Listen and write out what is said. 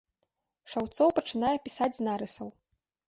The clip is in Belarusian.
Шаўцоў пачынае пісаць з нарысаў.